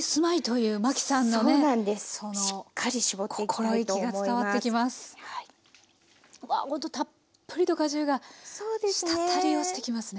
うわたっぷりと果汁が滴り落ちてきますね。